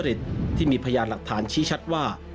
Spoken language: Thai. ขั้นตอนการทุจจฤทธิ์ที่มีพยานหลักฐานชี้ชัดว่า